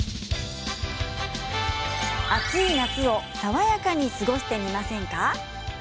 暑い夏を爽やかに過ごしてみませんか？